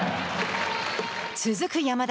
続く、山田。